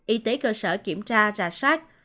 y tế cơ sở kiểm tra ra sát